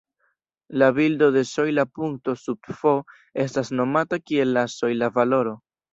La bildo de sojla punkto sub "f" estas nomata kiel la sojla valoro.